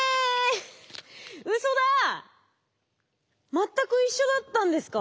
全く一緒だったんですか？